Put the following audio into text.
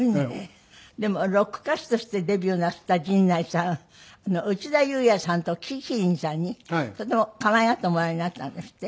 でもロック歌手としてデビューなすった陣内さんは内田裕也さんと樹木希林さんにとても可愛がっておもらいになったんですって？